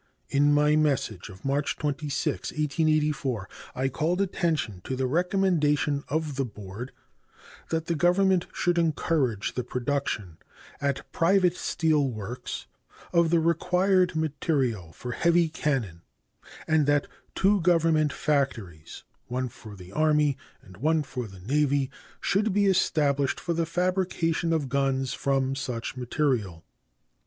In my message of March 26, 1884, I called attention to the recommendation of the board that the Government should encourage the production at private steel works of the required material for heavy cannon, and that two Government factories, one for the Army and one for the Navy, should be established for the fabrication of guns from such material.